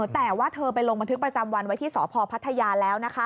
แต่ว่าเธอไปลงบันทึกประจำวันไว้ที่สพพัทยาแล้วนะคะ